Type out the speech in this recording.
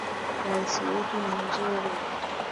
Raisi wetu ni mzuri.